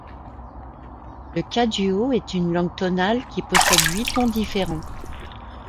Le kaduo est une langue tonale qui possède huit tons différents.